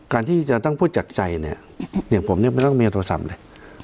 การที่จะต้องพูดจากใจเนี่ยอย่างผมเนี่ยไม่ต้องมีเอาโทรศัพท์เลย